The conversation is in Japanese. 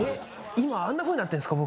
今あんなふうになってんすか？